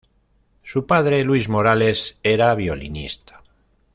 Su padre, Luis Morales era violinista.